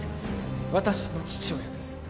私の父親です